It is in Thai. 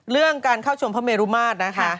เรื่องการเข้าชมพระเมรุมาตรนะคะ